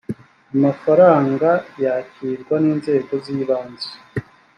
amafaranga yakirwa n’ inzego z’ ibanze